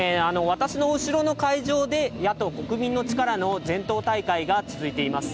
私の後ろの会場で、野党・国民の力の全党大会が続いています。